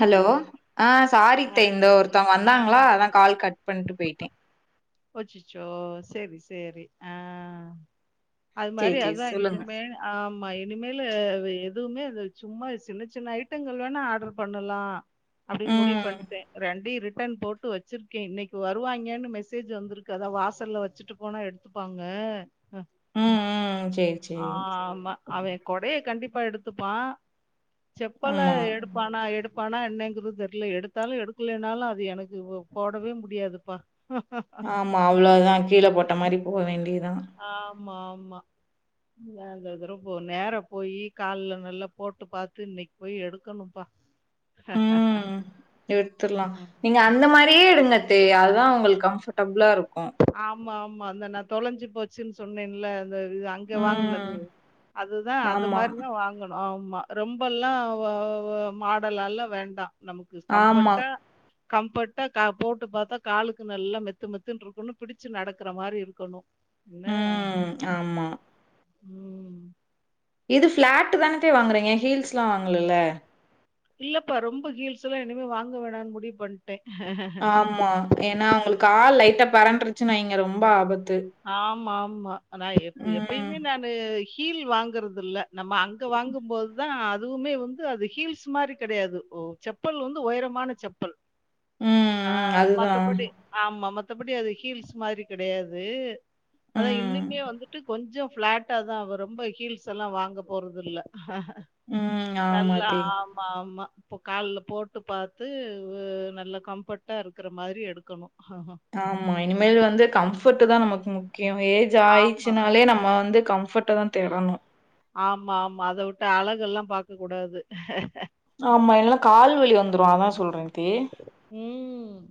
Hello ஆ சாரித்த ஆ இந்த ஒருத்தவங்க ஆ வந்தாங்களா அதான் கால் கட் பண்ட்டு போய்ட்டே அச்சச்சோ சரி சரி ஆஹ் அது சேரி மாரி சேரி அதா சொல்லுங்க இனிமேல் ஆமா இனிமேலு அது அதுவுமே அது சும்மா சின்ன சின்ன ஐட்டங்கள் வேணா ஆர்டர் பண்ணலா அப்டின்னு முடிவு ம் பண்ணிட்டே ரெண்டயு ரிட்டன் போட்டு வச்சிருக்கேன் இன்னைக்கு வருவாங்கேன்னு மெசெஜ் மெசேஜ் வந்திருக்கு அதா வாசல்ல வச்சுட்டு போனா எடுத்துப்பாங்க ஹ ம் ம் சேரி ஆ சேரி ஆமா அவன் கொடைய கண்டிப் அப்ப எடுத்துப்பா செப்பல்ல ஆமா எடுப்பானா எடுப் பணம் என்னங்கறது தெரியல எடுத்தாலும் எடுக்கலைனாலும் அது எனக்கு போடவே முடியாதுப்பா ஆமா அவ்வளவுதான் கீழே போட்ட மாதிரி போக வேண்டியது தா ஆமா ஆமா இந்த து போ நேரா போயி கால்ல நல்லா போட்டு பார்த்து இன்னைக்கு போய் எடுக்கணும்ப்பா ம்ஹ் எடுத்துடலாம் ம். நீங்க அந்த மாதிரியே எடுங்கத்து அதா உங்களுக்கு கம்ஃபர்டபுளா இருக்கும் ஆமா ஆமா அந்த நா தொலைஞ்சு போச்சு ச்சு சொன்னேன்ல இது அங்க வாங்கினது ம் அதுதான் அது ஆமா மாதிரிதான் வாங்கணும் ஆமா ரொம்பெல்லாம் ஆ மாடல்லாம் வேண்டாம் நமக்கு ஆமா கம்ஃபர்ட்டா கம்ஃபர்ட்டா போட்டு பார்த்தா காலுக்கு நல்லா மெத்து மெத்துன்னு ஒன்னு பிடிச்சு நடக்கிற மாதிரி இருக்கணும் என்ன ம் ஆமா ம். இது பிளாட்டு் தானேக்கா வாங்கறீங்க ஹீல்ஸெல்லு இல்லப்பா ரொம்ப ஹீல்ஸ் எல்லாம் இனிமே வாங்க வேணாம்னு முடிவு பண்ணிட்டேன் ஆமா ஏன்னா அவங்களுக்கு கால் லைஃப் பெறண்டுருச்சுன்னு வைங்க ரொம்ப ஆபத்து ஆமா ஆமா ஆனா எப் ம் எப்பயுமே நானு ஹீல் வாங்கறது இல்ல நம்ம அங்க வாங்கும்போதுதான் அதுவுமே வந்து அது ஹீல்ஸ் மாரி கெடையாது ஓ செப்பல் வந்து ஒயரமான செப்பல் ம், ஆ ம். அதுதான். மத்தபடி ஆமா மத்த மத்தபடி அது ஹீல்ஸ்மாரி கெடையாது அது அதா ம், இனிமே வந்துட்டு கொஞ்சம் ஃப்ளாட்டாதா அவ ரொம்ப ஹீல்ஸ்லா வாங்க போறது இல்ல ஹ ம் ஆமா அதே ஆமா. இப்போ கால்ல போட்டுப்பாத்து உ நல்லா கம்ஃபட்டா இருக்குறா மாரி எடுக்கணும் ஆமா இனிமேல் வந்து கம்ஃப் ஃபட்டுதா நமக் முக் கே அவன் ஏஜ் ஆமா, ஆயிச்சுனாலே நம்மவந்து கம் ஃபட்டதா தேடணும் ஆமா ஆமா அதவுட்ட அளகுல்லா பாக்கக்கூடாது ஆமா இல்லனா கால்வலி வந்துரு அதா சொல்றே உம்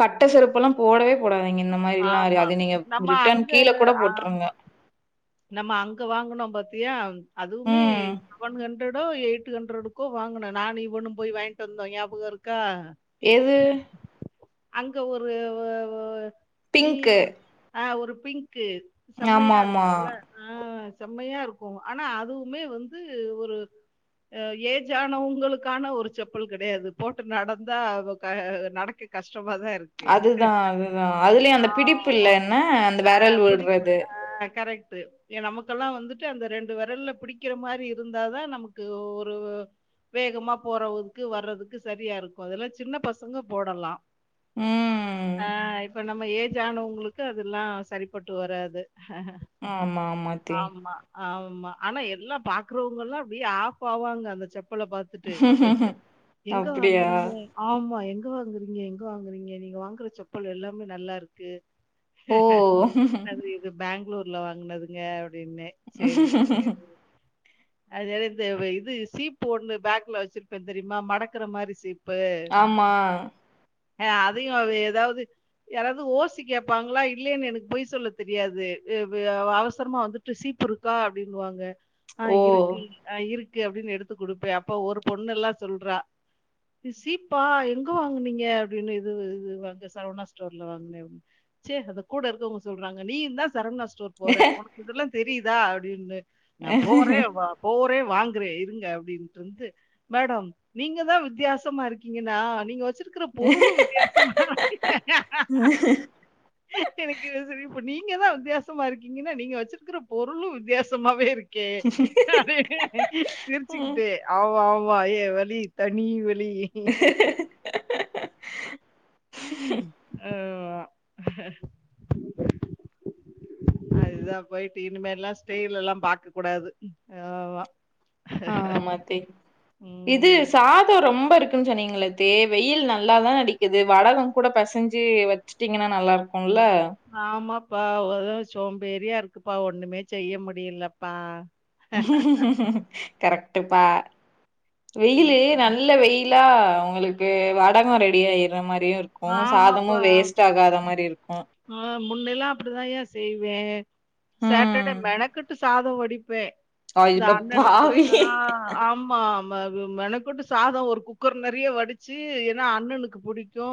கட்டசெருப்புலா போடவேபோடா அ இங்க இந்தமாரிலா அரு ஆமா. அது நீங்க நம்ம ரிட்டன் அங்க கீழகூட போட்ருங்க ஆமா. நம்ம அங்க வாங்கனோபத்தியா அதுவுமே ம். செவன் ஹண் றடோ எயிட்ஹண்ட்ரடுக்கோ வாங்கனோ நா நீ ஒண்ணு போய் வாங்கிட்டு வந்தோ நியாபகோருக்கா எது அங்க ஒருவவ நீ பிங்க்கு. ஒ ஆஹ் ஒருப் பிங்க் க்கு செம்மையாரு ஆமாமா. ஃபுல்லா ஆஹ் ச் செம்மையாருக்கு ஆனா அதுவுமே வந்து ஒரு ஏஜனாவங்களுக்கான ஒரு செப்பல் கெடையாது போட்டு நடந்தா க நடக்க கஷ் அதுதா அதுதா அதுலயுமஅந்த ஆமா. பிடிப்பில்லனா அந்த விரல் வுட்றது கரெக்டு ஏ நமக்கெல்லா வந்துட்டு அந்த ரெண்டு விரல்ல பிடிக்கிறமாரி இருந்தாதா நமக்கு ஒரு வேகமா போறவுக்கு வர்றதுக்கு சரியாருக்கு அதெல்லா சின்ன பசங்க போடலா உம்ம் ம்ம ஏஜானவங்களுக்கு அதெல்லா சரிப்பட்டு வராது ஆமா ஆமா தே ஆமா, ஆமா ஆனாயேல்லா பாக்குறவுங்களா அப்டியே ஆஃப் ஆவாங்க அந்த செப் ஃபுல்லாபாத்துட்டு அப்படியா? எங்கவாங்குறீங்க ஆமா எங் எங்கவாங்குறீங்க எங்கவாங்குறீங்க நீங்கவாங்குற செப்பல் எல்லாமே நல்லார்க்கு ஓ பேங்க்ளூர் ல வாங்குனதுங்க அப் டினே செரி [inaudible] அது இந்த வ இது சீப்பு ஒண்ணு பேக்ல வச்சிருப்பே தெரியுமா மடக்கற மாரி சீப் ஆமா ஆஹ் அதையு அது ஏதாவது யாராவது ஓசி கேப்பாங்க்ளா இல்லென்னு எனக்கு பொய் சொல்ல தெரியாது எ ப யா அவசரமா வந்துட்டு சீப்புருக்கா அப்டிங்குவாங்க ஓ! ஆஹ் இருக்குங் ஆஹ் இருக் க்கு அப்டின்னு எடுத்து குடுப்பே அப்ப ஒரு பொண்ணுல்லா சொல்றா இது சீப்பா எங்க வாங்குனீங்க அப்டின்னு இது இது அங்க சரவணாஸ்டோர்ல வாங்க்னே அப் சேர் அங்க கூட இருக்கவங்க சொல்றங்க நீயுந்தா ச் சரவணாஸ் ஸ்டோர் போறே உனக்கிதெல்லா தேரிதா அப்டின்னு நான் போரே வா போ வாங்குறே இருங்க அப்படின்டு வந்து மேடம் நீங்க தான் வித்தியாசமா இருக்கீங்கன்னா நீங்க வச்ச க்கிற பொருளு வித்தியாசமாதான் [inaudible] எனக்கு இது சிரிப்பு இப்ப நீங்கதான் வந் வித்தியாசமா இருக்கீங்கன்னா நீங்க வச்சிருக்கிற பொருளும் வித்தியாசமாவே இருக்கு கே ம். சிரிச்சுக்கிட்டே ஆமா ஆமா வா ஏ வலி தனி வலி லி ஆமா அதுதா பேயிட்டு இனிமேல்லா ஸ்டெயில்லா பாக்க கூடாது ஆமா ஆமாத்தே இது ம் சாதோ ரொம்ப இருக் ம் சொன்னீங்களே தே வெயில் நல்லா தா அடிக்குது வடகம் கூட பெசஞ்சு வச்சுட்டீங்கனா நல்லாருக்கு ஆமாப்பா ஒரே சோம்பேரியா இருக் க்குப்பா ஒண்ணுமே செய்ய முடியலப்பா கரெக்ட்டுப்பா வெயிலு ம் நல்ல வெயில் கிளா உங்களுக்கு வடகோ ரெடி ஆயிற மாரி ஆ ஆமாப்பா மாரி இருக்கும் ஆஹ் முன்னெல்லா அப்படிதான்யா செய்வ சாட்டர்டே ம் மெணக்கட்டு சாத து வடிப்பேன் இந்த அட அண்ணனுக்கு பாவி ஆஹ் ஆமா மெனக்கட்டு சாதம் ஒரு குக்கர் நிறைய வடிச்சு ஏன்னா அண்ணனுக்கு புடி கூ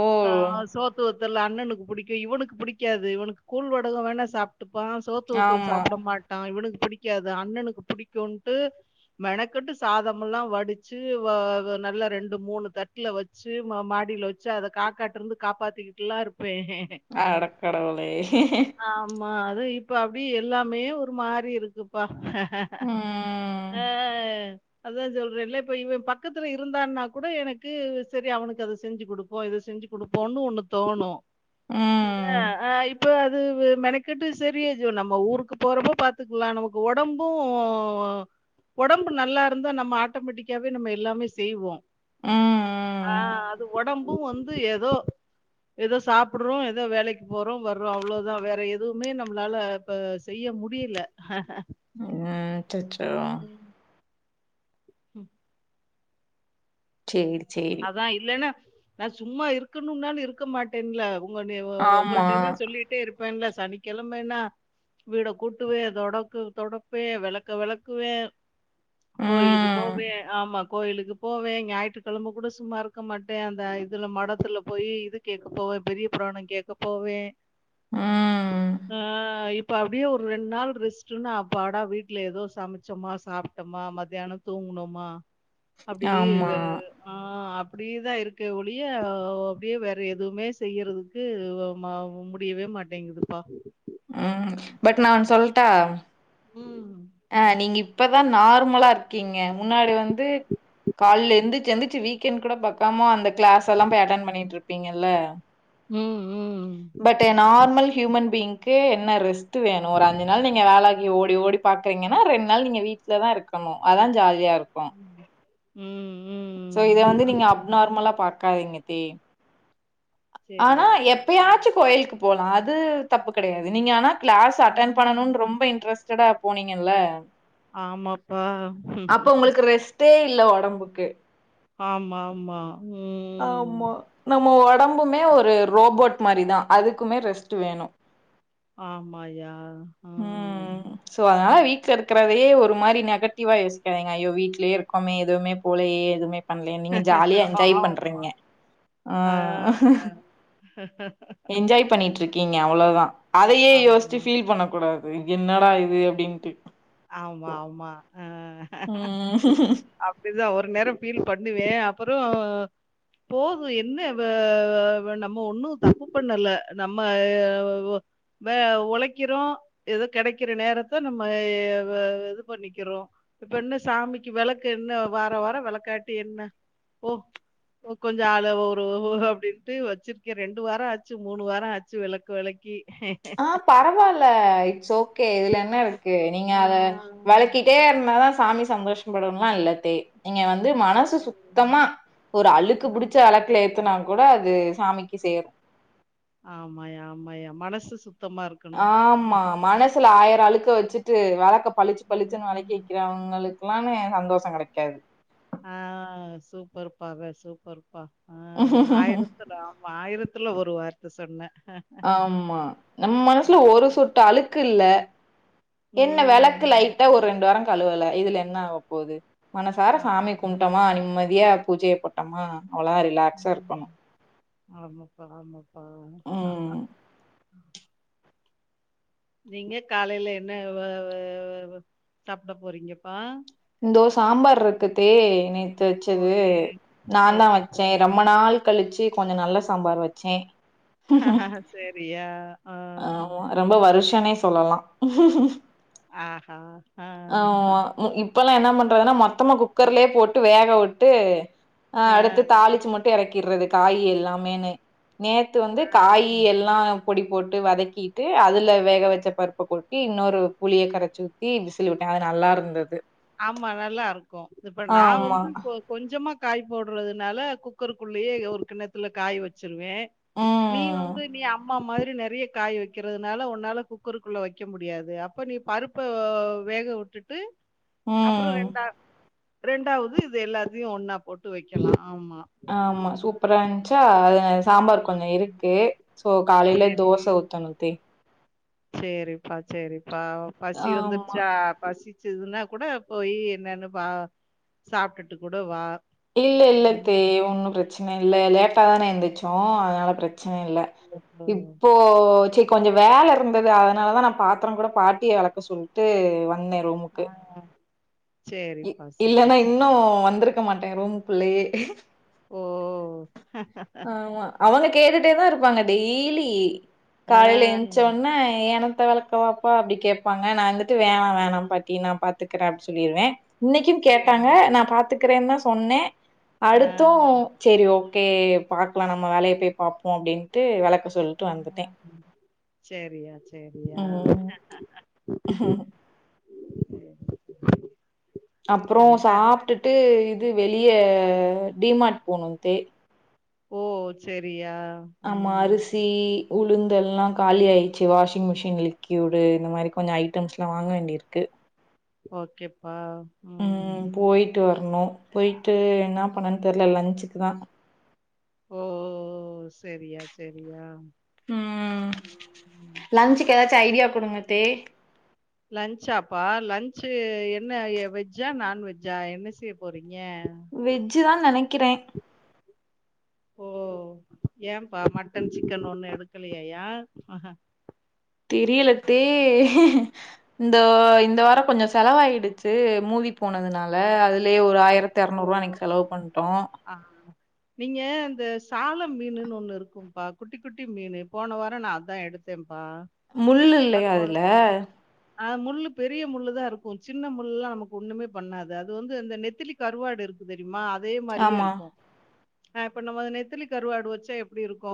ஓ பா.. [unintelligible] தல்லா அண்ணனுக்கு பிடிக்கு இவனுக்கு புடிக்காது இவனுக்கு கூல் வடகம் வேணா சாப் துப்பா சோத்துவத்தல் ஆமா சாப்பிட மாட்டா இவனுக் பிடிக்காது அண்ணனுக்கு புடிக்குன்டு மெனக்கட்டு சாதமெல்ல வடிச்சு வ வ நல்லா ரெண்டு மூணு தட்டல வச்சு மா மாடியில வச்சு அதை காக்காட்டு இருந்து காப்பாத்திக்கிட்டுல்லாம் இருப் அடக்கடவுளே து இப்ப அப்படி எல்லாமே ஒரு மாறி இருக்குப்பா ஆஹ் ம் ஆ அதா சொல்றேன்ல இப்ப இவ பக்கத்துல இருந்தான்னா கூட எனக்கு செரி அவனுக் கு அத செஞ்சி குடுப்போ இத செஞ்சி குடுப்போன்னு ஒண்ணு தோணு இல்ல ம் ஆ இப்ப வு மெனக்கட்டு சரியாடு நம்ம ஊருக்கு போறப்போ பாத்துக்லா நமக்கு ஒடம்பு ஒடம்பு நல்லா இருந்தா நம்ம ஆட்டோமேட்டிக்காவே நம்ம எல்லாமே செய்வோ ம் ஆ ம் அத் ஒடம்பு வந்து ஏதோ ஏதோ சாப்புர்றோ ஏதோ வேலக்கி போறோ வர்றோ அவ்ளோதா வேற எதுவுமே நம்ளால இப்ப செய்ய முடியல ம் அச்சச்சோ ம் சேரி சேரி அதா இல்லன்னா நா சும்மா இருக்கணும்னாலு இருக்கமாட்டேன்ல உங்கனேவுவ ஆமா உங்கள்டேல்லா சொல்லிட்டே இருப் பன்ல சனிக்கெழமன்னா வீட கூட்டுவே தொடக்கு தொடப்பே வெளக்க வெளக்குவே கோயிலுக்கு ம் போவே ஆமா கோயிலுக்கு போவே ஞாயிற்றுக்கெழம கூட சும்மா இருக்க மாட்டே அந்த இதுல மடத்துல போய் இது கேக்க போவ பெரிய புராணொ கேக்க போவே ம் ஆஹ் இப் இப்ப அப்டியே ஒரு ரெண் நாள் ரெஸ்ட்டுன்னா அப்பாடா வீட்ல ஏதோ சமச்சோம்மா சாப்ட்டோமா மதியானொ தூங்குணோமா அப்டியே இவ ஆமா ஆ அப்டியேதா இருக்கே ஒளிய ஆ அப்டியே வேற எதுவுமே செய்யறதுக்கு வ ம முடியவே மாட்டேங்குதுப்பா ம் பட் நா ஒன் சொல்ட்டா ம். இப்பதா நார்மலா இருக்கீங்க முன்னாடி வந்து கால்ல எந்திச்சு எந்திச்சு வீக்கெண்ட் கூட பாக்காம அந்த க்ளாஸ் எல்லா போயி அட்டன் பண்ணிட்ருக் பீங்கல்ல ம், ம். But a normal human being கே என்ன ரெஸ் டு வேணு ஒரு அஞ்சு நாள் நீங்க வேலாக்கி ஓட் இப்டி ஓடி பாக்குறீங்கன்னா ரெண் நாள் நீங்க வீட்லதா இருக்கணு அதா ஜாலியா இருக் கு ம் சோ இத ம். வந்து நீங்க அப்னார்மலா பார் க்காதிங்க தே ஆனா சரியா, சரியா. எப்பயாச்சுதா கோயில்க்கு போலா அது தப்பு கடையாது நீங்க ஆனா கிளாஸ் அட்டென் ம். பண்ணனும்னு ரொம்ப இன்ட்ரஸ்ட் டட்டா போனீங்கல்ல ஆமாப்பா அப்ப உங்களுக்கு ரெஸ்ட்டே இல்ல ஒடம்புக்கு ஆமா ஆமா உம் புமே ஒரு ரோபோட் மாரி தான் அதுக்குமே ரெஸ்ட் வேணும் ஆமாயா ஹ ல இருக்கதே ஒரு மாரி நெகட்டிவ்வா யோசிக்காதீங்க ஐயோ வீட்டிலேயே இருக்கோமே எதுவுமே போலையே எதுவுமே பண்லயே நீங்க ஜாலியா என்ஜாய் ஆமா பண்றீங்க ஆ ஆஹ என்ஜாய் பண்ணிட்டு இருக்கீங்க அவ்ளோதான் அதயே யோசிச்சு ஆமா ஃபீல் பண்ணக் கூடாது இது என்னடா இது அப்டின்ட்டு ஆமா ஆமா ம் அப்டிதான் ஒ ரு நேரம் ஃபீல் பண்ணுவேன் அப்புறம் போதும் என்ன நமம் தப்பு பண்ணல நம்ம உழைக்கிறோ ஏதோ கிடைக்கிற நேரத்த நம்ம அ இது பண்ணிக்கிறோம் இப்ப என்ன சாமிக்கு விளக்கு என்ன வார வாரம் விளக்காட்டி என்ன போ கொஞ்சம் அள ஒரு அப்டின்ட்டு வச்சிருக்கேன் ரெண்டு வாரம் ஆச்சு மூணு வாரம் ஆச்சு விளக்கு விளக்கி ஹா பரவால்ல இட்ஸ் ஓக் கே இதுல என்ன இரு க்கு நீங்க அத விளக்கிட்டே இருந்தா தான் சாமி சந்தோஷப்படணுலா இல்லத்தே நீங்க வந்து மனசு சுத்தமா ஒரு அழுக்கு புடிச்ச விளக்குல ஏத்துனா கூட அது சாமிக்கு சேரும் ஆமாயா ஆமாயா மனசு சுத் ஆமா மனசுல ஆயிரம் அழு க்க வச்சுட்டு விளக்க பளிச்சு பளிச்சுனு வெலக்கி வைக்கிறவங்களுக்கு களாம் சந்தோஷம் கிடைக்காது ஆஹ் சூப்பர் பா வ சூப்பர் பா ஆஹ் ஆயிரத்துல ஆமா ஆயிரத்து த்துல ஒரு வார்த்த சொன்ன ஆமா நம்ம மனசுல ஒரு சொட்டு அழுக்கு இல்ல என்ன ம் விளக்கு லைட்டா ஒரு ரெண்டு வாரங் கழுவல இதுல என்ன ஆவப்போது மனசார ஆமா சாமி கும்ப்டமா நிம்மதியா பூஜைய போட்டமா அவ்ளாத ரிலாக்ஸா ம். இருக்கணு ஆமாப்பா ஆமா ஓ நீங்க காலையில என்ன வ வ வ சாப்பிட போறீங்கப்பா இதோ சாம்பார் இருக்குதே நே நேத்து வச்சது ஓகே. நான்தா ஓகேப்பா. வச்சே ரொம்ப நாள் கழிச்சு கொஞ்ச நல்ல சாம்பார் வச்சே சேரியா ஆஹ் சொல்லலா ஆஹா ஆஹ் ஹ் [unintelligible] என்ன பண்றதுன்னா மொத்தமா குக்கர்லயே போட்டு வேக விட்டு ஆ, ஆஹ் அடுத்து தாளிச்சு மட்டு இறக்கி [unintelligible] காய் எல்லாமேன்னு நேத்து வந்து ஆ. காய் எல்லா பொடிப் போட்டு வதக்கிட்டு அதுல வேக வச்ச பருப்பை கொட்டி இன்னொரு புளிய கரைச்சி ஊத்தி விசில் விட்ட அது நல்லா இருந்தது ஆமா நல்லா இருக்கும் இப்ப நான் ஆமா வந்து சோ கொஞ்சமா காய் போடுறதுனால குக்கருக்குள்ளயே ஒரு கிண்ணத்துல காய் வச்சு [unintelligible] நீ ம் வந்து நீ அம்மா மாரி நறைய காய் வைக்கிறதுனால உன்னால குக்கருக்குள்ள வைக்க முடியாது அப்ப நீ பருப்ப வேக விட்டுட்டு அப்புற ம் ரெண்டா ரெண்டாவது இது எல்லாத்தையு ஒன்னா போட்டு வைக்கலா ஆமா சூப்பரா இருந்துச்சா அ சாம்பார் கொஞ்ச ம். இருக்கு சோ காலைல சரி. தோச ஊத்தணுத்தே சரிப்பா சரிப்பா பசி ஆமா வந்துருச்சா பசி இதுன்னா கூட போய் என்னன்னு பா சாப்ட்டுட்டு கூட வா இல்ல இல்லத்த ம். ஒன்னும் பிரச்சனை இல்ல லேட்டாதானே எந்துருச்ச வோ அதனால பிர பிரச்சன இல்ல ஓஹோ! இப்போ சே கொஞ்சம் வேலை இருந்தது அதனால தான் நான் பாத்திரம் கூட பாட்டிய வெளக்க சொல்லிட்டு வந்தேன் ஆஹ் இ இல்லன்னா இன்னும் வந்திருக்க மாட்டேன் ஏரோம் பிள்ளயே ஓ அ. ஆமா அவங்க கேட்டுட் டேதா இருப்பாங்க டெய்லி காலைல ஆ. ஏஞ்ச்சோட்ன எனக் ப வெளக்கவாப்பா அப்டி கேப்பாங்க நா வந்துட் து வேணா வேணாம் பாட்டி நா பாத் துக்றே அப்டி சொல்லிருவே இன்னைக்கூ கேட்டாங்க சரி. நா பாத்துக்குறேன்தா ஸ் பொன்னே ஆ. அடுத்தூ செரி ஓ கே எப் பாக்கலா நம்ம வேலைய போய் பாப்போ அப்டின்ட்டு வெளக்க ஸ் செரியா செரியா க்கு ம் க்கு க்ஷடக் அப்றோ சாப்டுட்டு இது வெளிய ஆ. டீ மார்ட் போணூ தே ஓ செரியா ஆமா அரிசி உளுந்தெல்லா காலி ஆயிச்சு வாஷிங் மிஷின் லிக்யூடு இந்த மாரி கொஞ்சோ ஐட்டம்ஸ்லா வாங்க வேண்டியிருக்கு ஓகேப்பா ம் போயிட்டு வரணு போயிட்டு எங்கா பண்ணன்னு தெர்ல லஞ்சுக்கு தான் ஓ ஓ ஓ ஸ் ம் ம். லஞ்சுக்கு ஏதாச்சு ஐடியா குடுங்கத் தேக் லன்ச்சாப்பா லன்ச்சு என்ன வெஜ்ஜா நான்வெஜ்ஜா என்ன செய்ய போறீங் வெஜ்ஜுதா நெனைக் க்கிறே ஓ ஏம்பா மட்டன் சிக்கன் ஒன்னு எடுக்கலையாயா தெரியலத்தே தே இந்த வாரோ கொஞ்சோ செலவாயிடுச்சு மூவி போனதுனால அதுலயே ஒரு ஆயிர் ஓஹோஹோ ஆ நீங்க அந்த சால மீனுன் ஒன்னு இருக்கூ பா குட்டி குட்டி மீனு போன வாரோ நா அதா எடுத்தே முள்ளில்லையா அதுல. அ முள்ளு பெரிய முள்ளுதா இருக்கூ சின்ன முள்ளெல்லா நமக்கு ஒன்னுமே பண்ணாது அது வந்து அந்த நெத்திலி கருவாடு இருக்கு தெரியுமா அத் தே மாரியே ஆமா, இருக்கூ ஆ இப்ப நம்ம நெத்தலி கருவாடு வச்சா எப்படிருக்கூ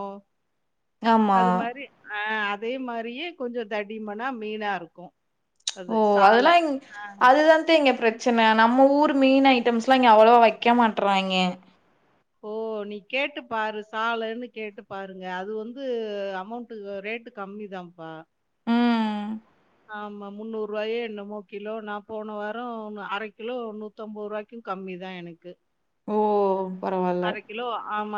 ஆமா. அது மாரி ஆ அப் அதே மாரியே கொஞ்சம் தடிமனா மீனா இருக்கும். ம்ச் ஓ அது சால அதெல்லாம் அதுதான்ங்கத்த இங்க ம். பிரச்சன நம்ம ஊருக். மீன் ஐட்டம்ஸ் எல்லாம் இங்க அவ்வளவா வைக்க மாட்டறாங்க. ஓ நீ கேட்டு பாரு சாலைன்னு கேட்டு பாருங்க அது வந்து அமௌண்ட்டு ரேட்டு கம்மிதான்ப்பா. ம். ஆமா முன்னூறுபாயோ என்னமோ கிலோ நான் போன வாரம் அர கிலோ நூத்தம்பது ரூபாய்க்கும் கம்மி தா எனக்கு. ஓ பரவாயில்ல. கிலோ ஆமா.